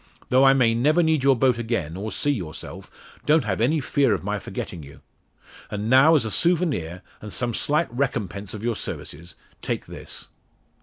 Though I may never need your boat again, or see yourself, don't have any fear of my forgetting you. And now, as a souvenir, and some slight recompense of your services, take this."